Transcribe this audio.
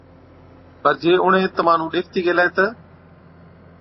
پَر جي اُڻهين تمهان نُون ڏيکتِي گيهلَي تہ،